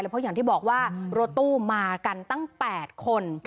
เพราะอย่างที่บอกว่ารถตู้มากันตั้ง๘คน